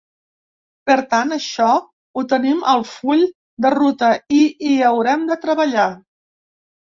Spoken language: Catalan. Per tant, això ho tenim al full de ruta i hi haurem de treballar.